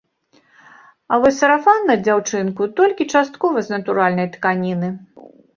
А вось сарафан на дзяўчынку толькі часткова з натуральнай тканіны.